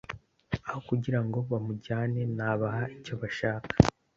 aho kugirango ba mujyane nabaha icyo bashaka